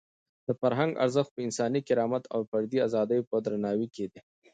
د فرهنګ ارزښت په انساني کرامت او د فردي ازادۍ په درناوي کې دی.